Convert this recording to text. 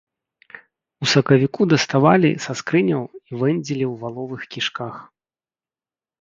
У сакавіку даставалі са скрыняў і вэндзілі ў валовых кішках.